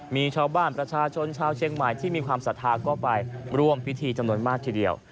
มีชาวบ้านประชาชนชาวเชียงใหม่ที่มีความศรัทธาก็ไปร่วมพิธีจำนวนมากทีเดียว